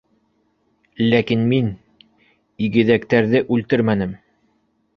Ләкин мин... игеҙәктәрҙе үлтермәнем!